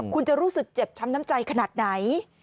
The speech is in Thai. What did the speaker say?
คุณจะรู้สึกเจ็บช้ำน้ำใจขนาดไหน